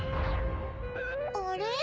あれ？